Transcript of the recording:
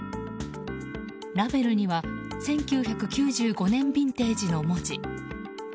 ラベルには「１９９５年ビンテージ」の文字。